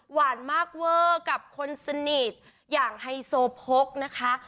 หวานมากเวอร์กับคนสนิทอย่างไฮโซโพกนะคะ